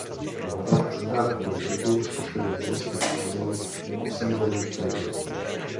Madagaskar je jedním z posledních zemských území osídlených lidmi.